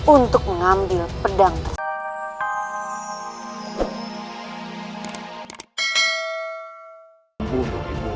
untuk mengambil pedang tersimpan